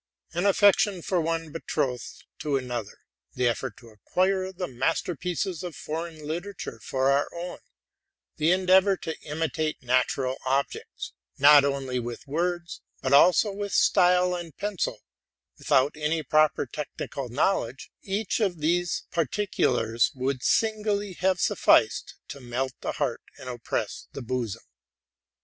An affection for one betrothed to another; the effort to acquire the master pieces of foreign literature for our own; the endeavor to imitate natural objects, not only with words, but also with style and pencil, without any proper technical knowledge, — each of these particulars would singly have sufficed to melt the heart and oppress the bosom.